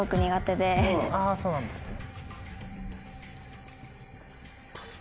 あそうなんですね。